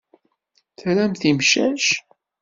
Tramt imcac?